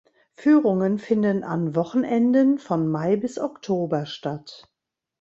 Führungen finden an Wochenenden von Mai bis Oktober statt.